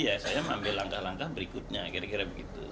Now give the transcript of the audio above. ya saya mengambil langkah langkah berikutnya kira kira begitu